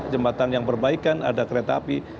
jembatan yang perbaikan ada kereta api